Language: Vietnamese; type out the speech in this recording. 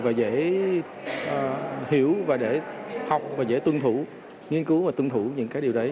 và dễ hiểu và để học và dễ tuân thủ nghiên cứu và tuân thủ những cái điều đấy